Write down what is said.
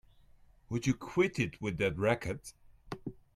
Would you quit it with that racket!